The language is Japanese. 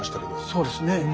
そうですね。